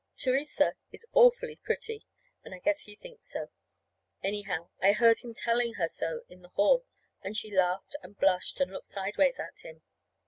Theresa is awfully pretty, and I guess he thinks, so. Anyhow, I heard him telling her so in the hall, and she laughed and blushed and looked sideways at him.